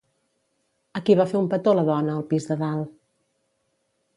A qui va fer un petó la dona al pis de dalt?